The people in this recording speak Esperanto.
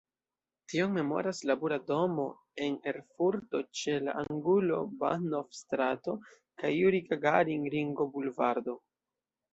Tion memoras la bura domo en Erfurto ĉe la angulo Bahnhof-strato kaj Juri-Gagarin-ringobulvardo.